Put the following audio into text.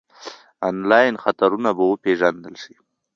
انلاین خطرونه به وپېژندل شي.